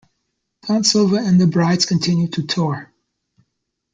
Dawn Silva and The Brides continue to tour.